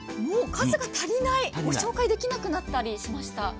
もう数が足りないご紹介できなくなったりしました。